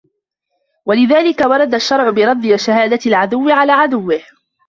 وَلِذَلِكَ وَرَدَ الشَّرْعُ بِرَدِّ شَهَادَةِ الْعَدُوِّ عَلَى عَدُوِّهِ